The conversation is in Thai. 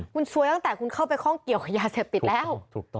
คุณซวยตั้งแต่คุณเข้าไปข้องเกี่ยวกับยาเสพติดแล้ว